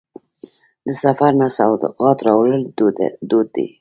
د سفر نه سوغات راوړل دود دی.